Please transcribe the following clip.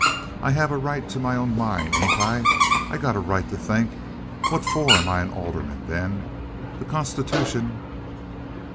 "I have a right to my own mind, ain't I? I got a right to think. What for am I an alderman, then? The constitution..."